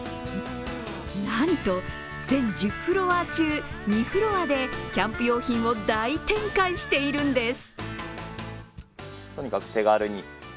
なんと全１０フロア中２フロアでキャンプ用品を大展開しているんです。